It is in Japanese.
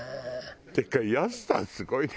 ってかやすさんすごいね。